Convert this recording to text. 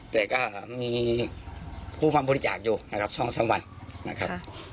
แต่ก็มีผู้พรรคบุริจาคอยู่ช่องทรัมวัลนะครับ